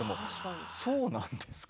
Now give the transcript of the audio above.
そうなんですか？